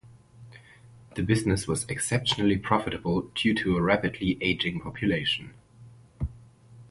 The business was exceptionally profitable due to a rapidly ageing population.